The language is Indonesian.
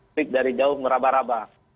publik dari jauh merabah rabah